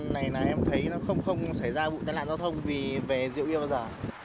này này em thấy nó không xảy ra vụ tấn lạc giao thông vì về rượu bia bao giờ